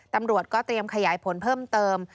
ตำรวจก็เตรียมขยายผลเพิ่มเติม